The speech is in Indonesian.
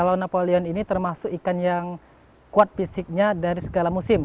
kalau napolion ini termasuk ikan yang kuat fisiknya dari segala musim